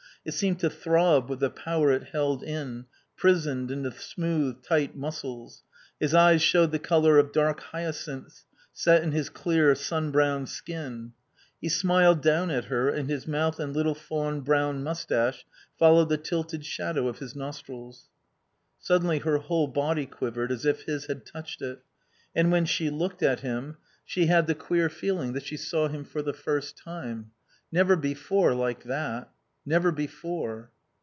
It seemed to throb with the power it held in, prisoned in the smooth, tight muscles. His eyes showed the colour of dark hyacinths, set in his clear, sun browned skin. He smiled down at her, and his mouth and little fawn brown moustache followed the tilted shadow of his nostrils. Suddenly her whole body quivered as if his had touched it. And when she looked at him she had the queer feeling that she saw him for the first time. Never before like that. Never before.